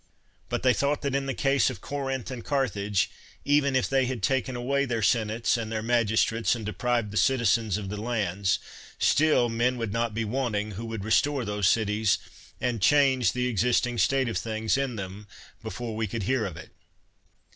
But they thought that in the case of Corinth and Carthage, even if they had taken away their sen ates and their magistrates, and deprived the citi zens of the lands, still men would not be wanting who would restore those cities, and change the existing state of things in them before we could hear of it.